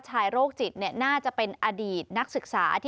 โรคจิตน่าจะเป็นอดีตนักศึกษา